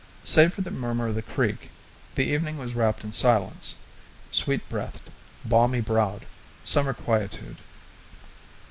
Save for the murmur of the creek, the evening was wrapped in silence sweet breathed, balmy browed, summer quietude.